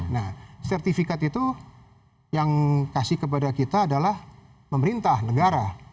nah sertifikat itu yang kasih kepada kita adalah pemerintah negara